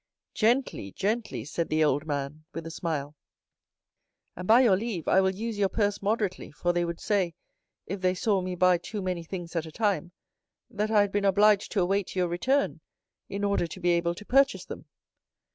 "Gently, gently," said the old man, with a smile; "and by your leave I will use your purse moderately, for they would say, if they saw me buy too many things at a time, that I had been obliged to await your return, in order to be able to purchase them."